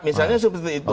misalnya seperti itu